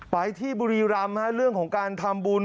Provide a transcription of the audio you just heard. ไปที่บุรีรำเรื่องของการทำบุญ